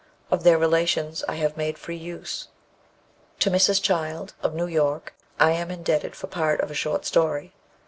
Of their relations I have made free use. To Mrs. Child, of New York, I am indebted for part of a short story.